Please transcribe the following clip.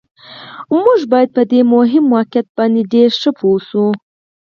موږ باید په دې مهم واقعیت باندې ډېر ښه پوه شو